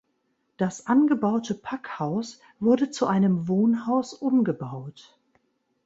Das angebaute Packhaus wurde zu einem Wohnhaus umgebaut.